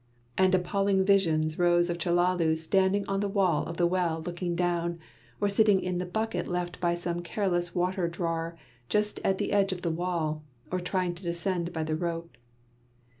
And appalling visions rose of Chellalu standing on the wall of the well looking down, or sitting in the bucket left by some careless water drawer just on the edge of the wall, or trying to descend by the rope.